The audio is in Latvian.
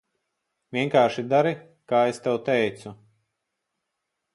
Vienkārši dari, kā es tev teicu.